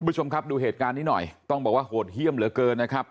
คุณผู้ชมครับดูเหตุการณ์นี้หน่อยต้องบอกว่าโหดเยี่ยมเหลือเกินนะครับ